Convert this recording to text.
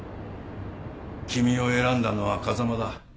君を選んだのは風間だ。